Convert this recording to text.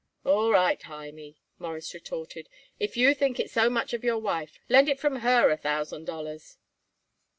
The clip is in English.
"All right, Hymie," Morris retorted; "if you think it so much of your wife, lend it from her a thousand dollars."